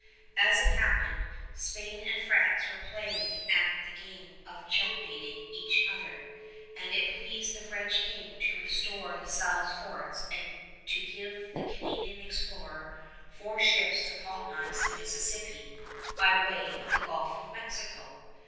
As it happened, Spain and France were playing at the game of checkmating each other; and it pleased the French King to restore La Salle's forts and to give the Canadian explorer four ships to colonize the Mississippi by way of the Gulf of Mexico.